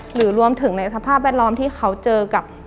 หรือรวมถึงในสภาพแวดล้อมที่เขาเจอกับ